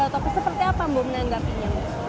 atau seperti apa mbok menanggapinya